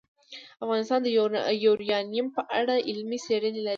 افغانستان د یورانیم په اړه علمي څېړنې لري.